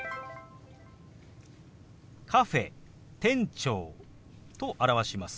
「カフェ」「店長」と表します。